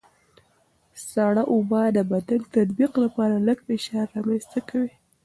سړه اوبه د بدن د تطبیق لپاره لږ فشار رامنځته کوي.